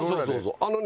あのね